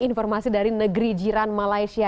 informasi dari negeri jiran malaysia